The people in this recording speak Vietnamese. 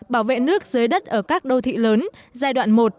bảo vệ nước dưới đất ở các đô thị lớn giai đoạn một